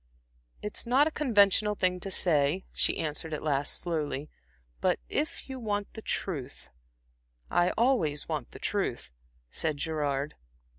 "It's not a conventional thing to say," she answered at last, slowly "but if you want the truth" "I always want the truth," said Gerard.